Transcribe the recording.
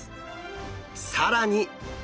更に！